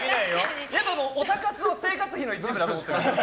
やっぱオタ活も生活の一部だと思ってます。